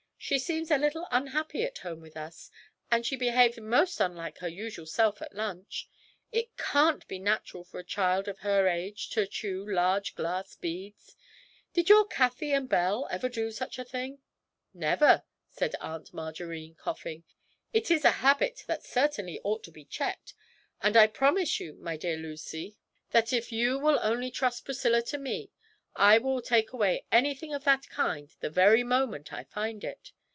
She seems a little unhappy at home with us, and she behaved most unlike her usual self at lunch; it can't be natural for a child of her age to chew large glass beads. Did your Cathie and Belle ever do such a thing?' 'Never,' said Aunt Margarine, coughing. 'It is a habit that certainly ought to be checked, and I promise you, my dear Lucy, that if you will only trust Priscilla to me, I will take away anything of that kind the very moment I find it.